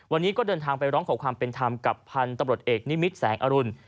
วันนี้ก็เดินทางไปร้องขอความเป็นธรรมกับพันธุ์ตำรวจเอกนิมิตรแสงอรุณ